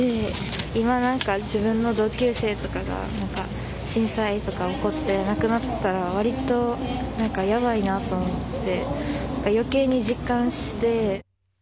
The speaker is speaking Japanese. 今、なんか自分の同級生とかが、なんか震災とか起こって亡くなったらわりとなんかやばいなと思って、なんか余計に実感して。